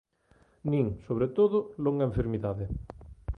Nin, sobre todo, "longa enfermidade".